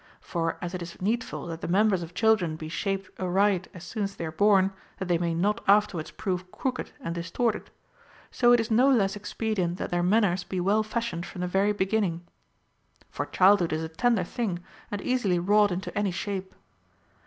For as it is needful that the members of children be shaped aright as soon as they are born, that they may not afterwards prove crooked and dis torted, so it is no less expedient that their manners be well fashioned from the very beginning. For childhood is a tender thing, and easily wrought into any shape.